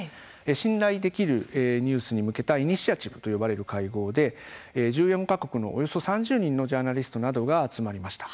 「信頼できるニュースに向けたイニシアチブ」と呼ばれる会合で１４か国のおよそ３０人のジャーナリストなどが集まりました。